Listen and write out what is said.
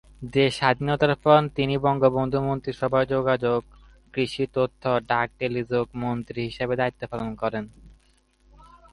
দেশ স্বাধীনের পর তিনি বঙ্গবন্ধুর মন্ত্রিসভায় যোগাযোগ, কৃষি, তথ্য এবং ডাক ও টেলিযোগাযোগ মন্ত্রী হিসেবে দায়িত্ব পালন করেছেন।